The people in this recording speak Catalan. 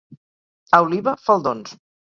A Oliva, faldons.